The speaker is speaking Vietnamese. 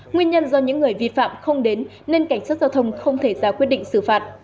nguyên nhân do những người vi phạm không đến nên cảnh sát giao thông không thể ra quyết định xử phạt